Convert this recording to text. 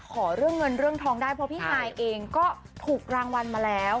ขอเรื่องเงินเรื่องทองได้เพราะพี่ฮายเองก็ถูกรางวัลมาแล้ว